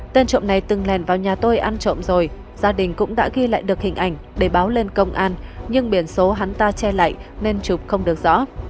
tên trộm này từng lèn vào nhà tôi ăn trộm rồi gia đình cũng đã ghi lại được hình ảnh để báo lên công an nhưng biển số hắn ta che lại nên trục không được rõ